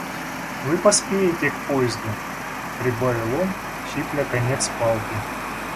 Вы поспеете к поезду,— прибавил он, щипля конец палки.